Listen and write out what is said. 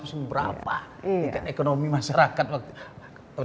ini kan ekonomi masyarakat waktu